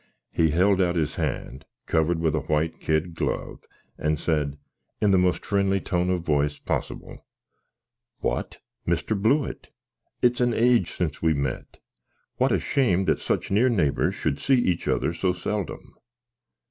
He held out his hand, covered with a white kid glove, and said, in the most frenly tone of vice posbill, "What? Mr. Blewitt! It is an age since we met. What a shame that such near naybors should see each other so seldom!"